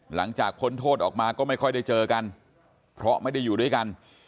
พ้นโทษออกมาก็ไม่ค่อยได้เจอกันเพราะไม่ได้อยู่ด้วยกัน